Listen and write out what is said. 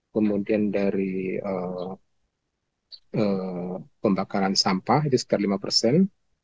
kemudian dari pembakaran sampah itu sekitar lima persen